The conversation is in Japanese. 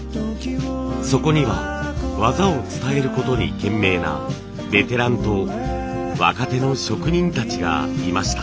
そこには技を伝えることに懸命なベテランと若手の職人たちがいました。